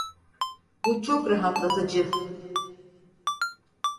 Bu çok rahatlatıcı.